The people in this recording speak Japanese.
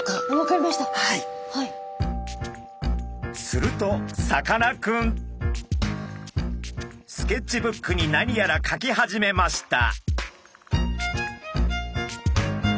するとさかなクンスケッチブックに何やらかき始めました。